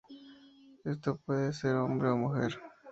Este puede ser hombre o mujer.